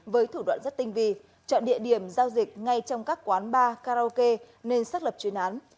với thủ đoạn rất tinh vi chọn địa điểm giao dịch ngay trong các quán bar karaoke nên xác lập chuyên án